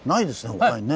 他にね。